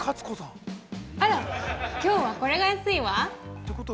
◆あら、きょうは、これが安いわ。